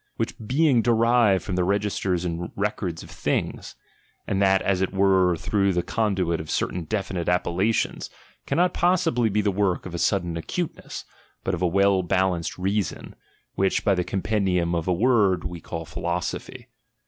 Which being derived from the registers and records of things ; and that as it were through the conduit of certain defimte appellations ; cannot possibly be the work of a sudden acuteness, but of a well balanced reason ; which by the compendium of a word, we call philosophy.